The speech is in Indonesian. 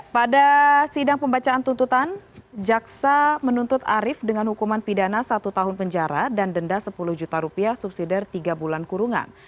pada sidang pembacaan tuntutan jaksa menuntut arief dengan hukuman pidana satu tahun penjara dan denda sepuluh juta rupiah subsidi tiga bulan kurungan